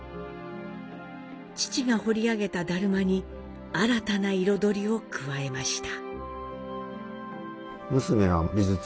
父が彫り上げた達磨に新たな彩りを加えました。